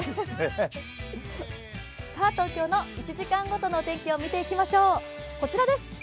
東京の１時間ごとの天気を見ていきましょう。